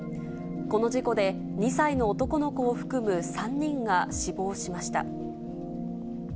この事故で２歳の男の子を含む３人が死亡しました。